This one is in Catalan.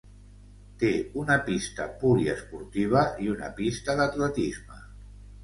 Té una pista poliesportiva i una pista d'atletisme.